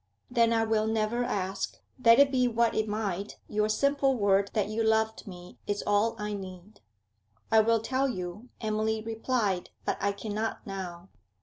'Then I will never ask. Let it be what it might; your simple word that you loved me is all I need.' 'I will tell you,' Emily replied, 'but I cannot now.